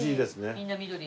みんな緑。